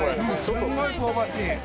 すんごい香ばしい。